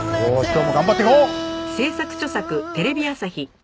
今日も頑張っていこう！